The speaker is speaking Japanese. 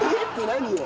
何よ？